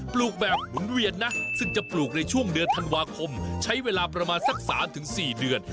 ลูกแบบหมุนเวียนนะซึ่งจะปลูกในช่วงเดือนธันวาคมใช้เวลาประมาณสัก๓๔เดือน